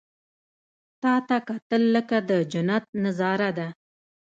• تا ته کتل، لکه د جنت نظاره ده.